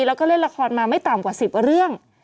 แล้วก็เล่นละครมาไม่ต่ำกว่า๑๐เรื่อง